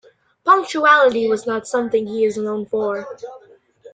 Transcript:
Punctuality was not something he is known for.